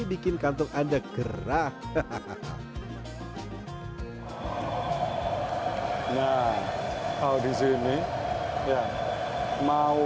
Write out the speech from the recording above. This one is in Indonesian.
bikin kantor anda gerah hehehe